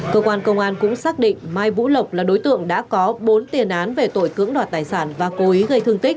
cơ quan công an cũng xác định mai vũ lộc là đối tượng đã có bốn tiền án về tội cưỡng đoạt tài sản và cố ý gây thương tích